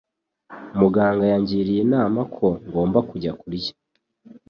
Muganga yangiriye inama ko ngomba kujya kurya.